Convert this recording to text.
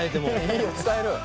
いいよ伝えろよ。